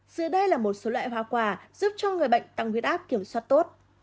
giữa đây là một số loại hoa quả giúp cho người bệnh tăng nguyết áp kiểm soát tốt